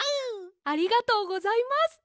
ありがとうございます。